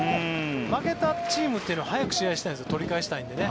負けたチームは早く試合がしたいんです取り返したいので。